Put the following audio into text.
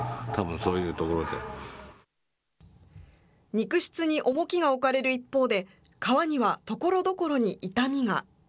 肉質に重きが置かれる一方で、革にはところどころに傷みが。